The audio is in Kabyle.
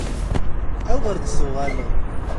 Awer i d-tuɣaleḍ!